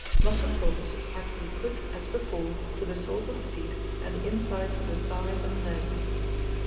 Mustard poultices are to be put, as before, to the soles of the foot and the insides of the thighs and legs.